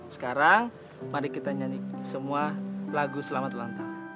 sekarang mari kita nyanyi semua lagu selamat ulang tahun